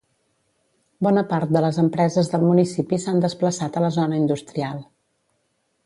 Bona part de les empreses del municipi s'han desplaçat a la zona industrial.